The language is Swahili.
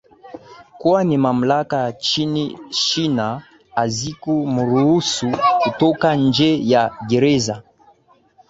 kwani mamlaka nchini china haziku mruhusu kutoka nje ya gereza